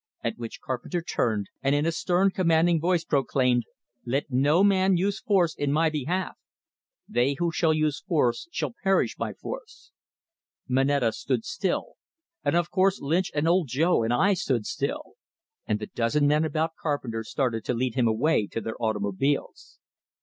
At which Carpenter turned, and in a stern, commanding voice proclaimed: "Let no man use force in my behalf! They who use force shall perish by force." Moneta stood still; and of course Lynch and Old Joe and I stood still; and the dozen men about Carpenter started to lead him away to their automobiles.